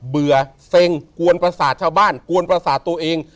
เบื่อเซ็งกวนประสาทชาวบ้านกวนประสาทตัวเอง